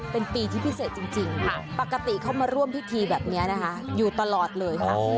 เป็นปีที่พิเศษจริงค่ะปกติเข้ามาร่วมพิธีแบบนี้นะคะอยู่ตลอดเลยค่ะ